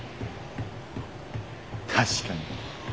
確かに。